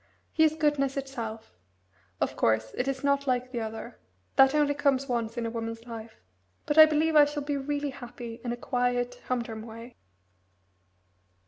He is goodness itself. Of course, it is not like the other. That only comes once in a woman's life, but I believe I shall really be happy in a quiet, humdrum way."